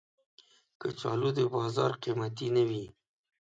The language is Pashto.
کچالو د بازار قېمتي نه وي